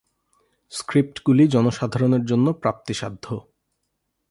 স্ক্রিপ্টগুলি জনসাধারণের জন্য প্রাপ্তিসাধ্য।